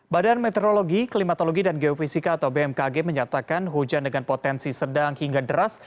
badan meteorologi klimatologi dan geofisika atau bmkg menyatakan hujan dengan potensi sedang hingga deras